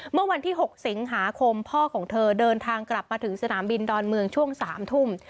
เมื่อวันที่๖สิงหาคมพ่อของเธอเดินทางกลับมาถึงสนามบินดอนเมืองช่วง๓ทุ่ม